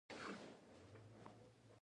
ایا زه باید ګولۍ وخورم؟